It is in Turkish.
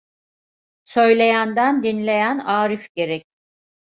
Söyleyenden dinleyen arif gerek.